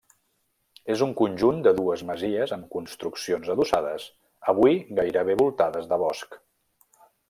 És un conjunt de dues masies amb construccions adossades, avui gairebé voltades de bosc.